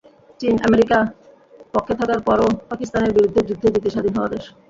চীন-আমেরিকা পক্ষে থাকার পরও পাকিস্তানের বিরুদ্ধে যুদ্ধে জিতে স্বাধীন হওয়া দেশ।